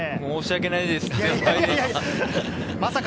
申し訳ないですね。